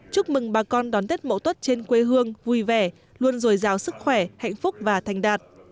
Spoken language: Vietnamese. chúc mừng bà con đón tết mậu tuất trên quê hương vui vẻ luôn dồi dào sức khỏe hạnh phúc và thành đạt